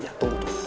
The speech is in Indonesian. iya tunggu tuh